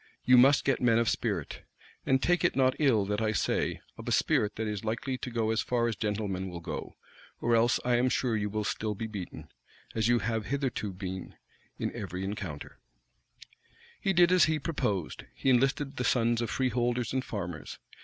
You must get men of spirit; and take it not ill that I say, of a spirit that is likely to go as far as gentlemen will go, or else I am sure you will still be beaten, as you have hitherto been, in every encounter." * Conference held at Whitehall. He did as he proposed. He enlisted the sons of freeholders and farmers.